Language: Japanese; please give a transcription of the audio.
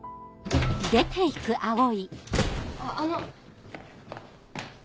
あっあの。